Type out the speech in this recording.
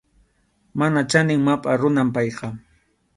Mana chanin mapʼa runam payqa.